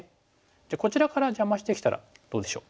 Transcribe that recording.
じゃあこちらから邪魔してきたらどうでしょう？